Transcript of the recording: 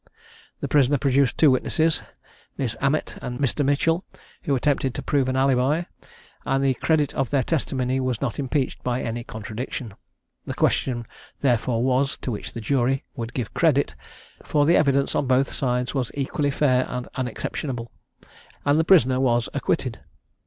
The prisoner produced two witnesses, Miss Amet and Mr. Mitchell, who attempted to prove an alibi, and the credit of their testimony was not impeached by any contradiction. The question therefore was, to which the jury would give credit; for the evidence on both sides was equally fair and unexceptionable, and the prisoner was acquitted.